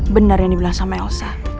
benar yang dibilang sama elsa